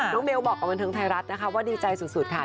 น้องเมลบอกกับบรรทางไทยรัฐนะคะว่าดีใจสุดค่ะ